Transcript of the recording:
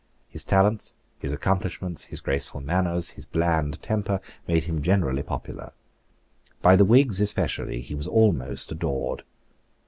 His talents, his accomplishments, his graceful manners, his bland temper, made him generally popular. By the Whigs especially he was almost adored.